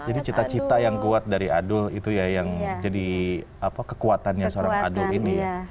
jadi cita cita yang kuat dari adult itu ya yang jadi kekuatannya seorang adult ini